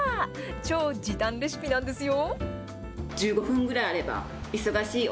超時短レシピなんですよ。